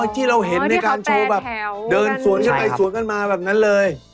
ที่เราเห็นในการโชว์แบบเดินสวนกันไปสวนกันมาแบบนั้นเลย